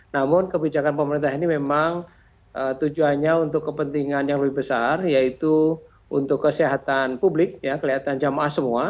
namun kebijakan pemerintah ini memang tujuannya untuk kepentingan yang lebih besar yaitu untuk kesehatan publik kelihatan jamaah semua